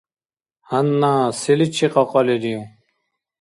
Гьанна селичи кьакьалирив?